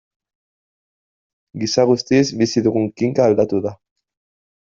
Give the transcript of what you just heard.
Gisa guztiz, bizi dugun kinka aldatuko da.